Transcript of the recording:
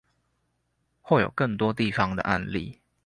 或有更多地方的案例